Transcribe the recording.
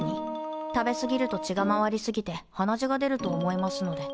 食べ過ぎると血が回り過ぎて鼻血が出ると思いますので。